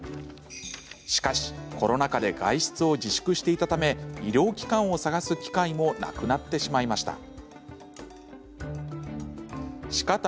しかし、コロナ禍で外出を自粛していたため医療機関を探す機会もなくなってしまいました。